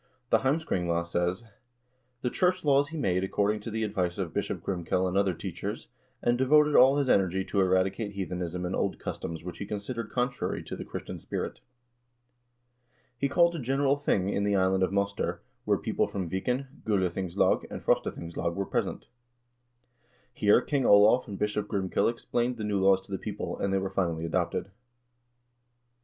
The "Heimskringla" says: "The church laws he made according to the advice of Bishop Grimkel and other teachers, and devoted all his energy to eradicate heathenism and old customs which he considered contrary to the Christian spirit." l He called a general thing in the island of Moster, where people from Viken, Gulathings lag, and Frostathingslag were present. Here King Olav and Bishop Grimkel explained the new laws to the people, and they were finally adopted.